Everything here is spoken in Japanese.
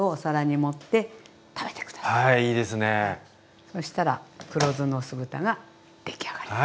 そしたら黒酢の酢豚ができあがりです。